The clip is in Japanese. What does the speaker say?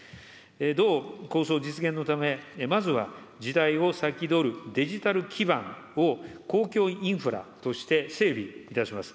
同構想実現のため、まずは時代をさきどるデジタル基盤を公共インフラとして整備いたします。